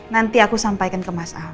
nanti aku sampaikan ke mas ahok